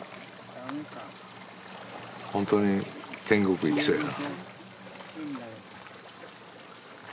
本当に天国行きそうやな。